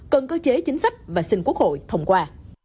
cần cơ chế chính sách và xin quốc hội thông qua